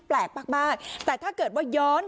แปลกมากแต่ถ้าเกิดว่าย้อน